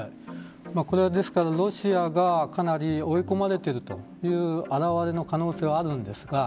これはロシアがかなり追い込まれているという現れの可能性はあります。